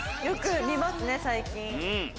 よく見ますね最近。